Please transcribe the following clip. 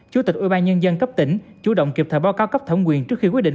chủ tịch ubnd cấp tỉnh chủ động kịp thời báo cáo cấp thẩm quyền trước khi quyết định